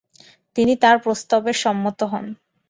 তিনি তার প্রস্তাবে সম্মত হন।